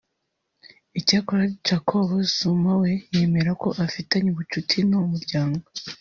Icyakora Jacob Zuma we yemera ko afitanye ubucuti n’uwo muryango (Gupta)